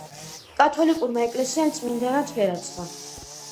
კათოლიკურმა ეკლესიამ წმინდანად შერაცხა.